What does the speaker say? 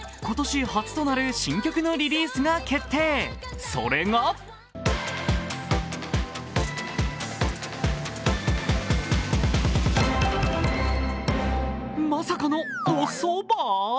今年初となる新曲のリリースが決定、それがまさかのＯＳＯＢＡ？